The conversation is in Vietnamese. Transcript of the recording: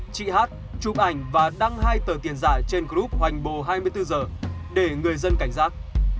chị hát chụp ảnh và đăng hai tờ tiền giả trên group hoành bồ hai mươi bốn h để người dân cảnh giác